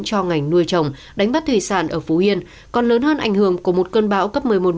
cho ngành nuôi trồng đánh bắt thủy sản ở phú yên còn lớn hơn ảnh hưởng của một cơn bão cấp một mươi một một mươi hai